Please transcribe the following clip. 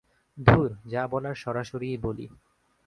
ধুর, যা বলার সরাসরিই বলি।